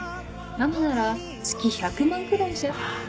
ママなら月１００万くらいじゃ。